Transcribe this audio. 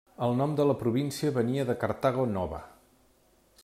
El nom de la província venia de Cartago Nova.